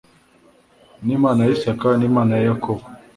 n'Imana ya Isaka n'Imana ya Yakobo?